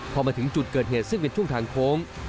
พอมาถึงจุดเกิดเหตุซึ่งเป็นช่วงทางโค้ง